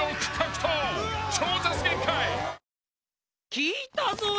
・聞いたぞえ。